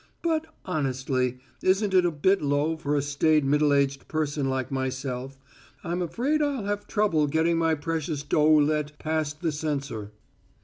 But, honestly, isn't this a bit low for a staid middle aged person like myself? I'm afraid I'll have trouble getting my precious Doeuillet past the censor."